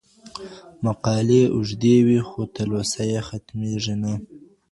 مقالې اوږدې وي خو تلوسه يې ختمېږي نه.